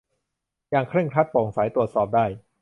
อย่างเคร่งครัด โปร่งใส ตรวจสอบได้